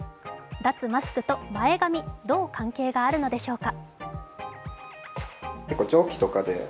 脱マスクと前髪、どう関係があるのでしょうか。